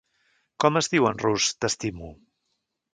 Com es diu en rus 't'estimo'?